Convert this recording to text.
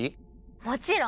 もちろん！